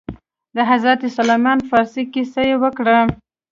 د حضرت سلمان فارس کيسه يې وکړه.